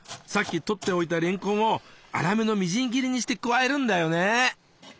さっき取っておいたれんこんを粗めのみじん切りにして加えるんだよね。